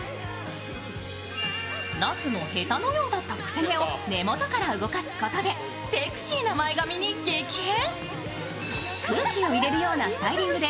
なすのへたのようだった癖毛を根元から動かすことでセクシーな前髪に激変。